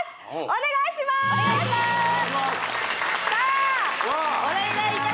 お願いします来た！